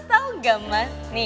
sama yang punya warung itu